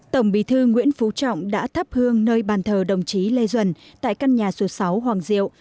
tổng bí thư nguyễn phú trọng đã thắp hương nơi bàn thờ đồng chí lê duẩn tại căn nhà số sáu hoàng diệu